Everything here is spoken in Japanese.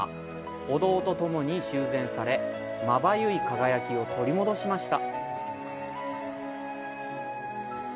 お堂とともに修繕され、まばゆい輝きを取り戻しました。